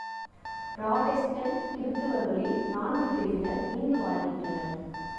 Protestant கிருத்தவர்களில் நான்கு பிரிவினர் இங்கு வாழ்கின்றனர்.